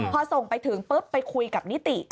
พอส่งไปถึงปุ๊บไปคุยกับนิติ